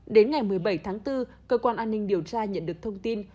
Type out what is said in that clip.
đến ngày một mươi bảy tháng bốn cơ quan an ninh điều tra nhận được thông tin